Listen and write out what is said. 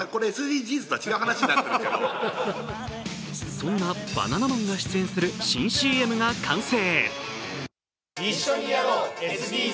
そんなバナナマンが出演する新ＣＭが完成。